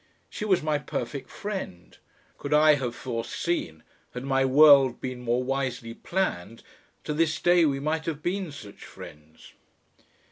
She was my perfect friend. Could I have foreseen, had my world been more wisely planned, to this day we might have been such friends.